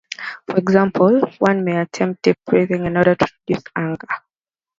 For example, one may attempt deep breathing in order to reduce anger.